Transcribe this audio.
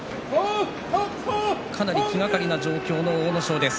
かなり気がかりな状況の阿武咲です。